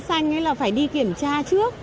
xanh ấy là phải đi kiểm tra trước